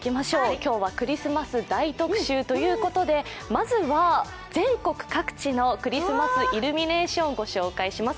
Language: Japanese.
今日はクリスマス大特集ということで、まずは全国各地のクリスマスイルミネーション、御紹介します。